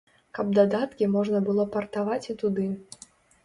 Каб дадаткі можна было партаваць і туды.